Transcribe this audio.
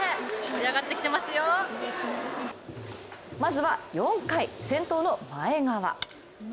まずは４回、先頭の前川。